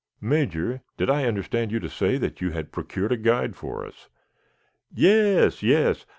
"Major, did I understand you to say that you had procured a guide for us?" "Yes, yes.